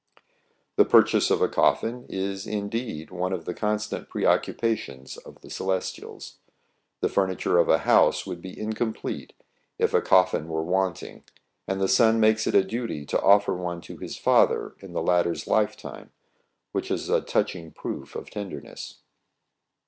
The purchase of a coffin is, indeed, one of the constant occupations of the Celestials. The fur niture of a house would be incomplete if a coffin were wanting ; and the son makes it a duty to offer one to his father in the latter's lifetime, which is a touching proof of tenderness.